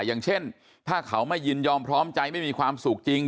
อย่างเช่นถ้าเขาไม่ยินยอมพร้อมใจไม่มีความสุขจริง